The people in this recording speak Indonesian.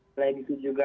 selain itu juga